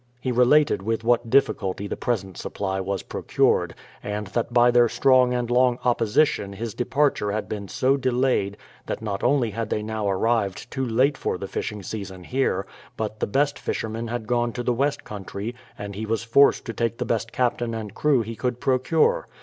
He related with what difficulty the present supply was procured, and that by their strong and long opposition his departure had been so delayed that not only had they now arrived too late for the fishing season here, but the best fishermen had gone to the west country and he was forced to take the best captain and crew he could procure.